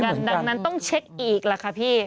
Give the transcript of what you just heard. ไม่เหมือนกันดังนั้นต้องเช็คอีกละค่ะพี่